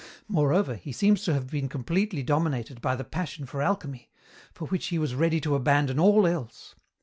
Moreover, he seems to have been completely dominated by the passion for alchemy, for which he was ready to abandon all else.